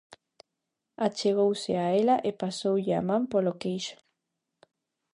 Achegouse a ela e pasoulle a man polo queixo.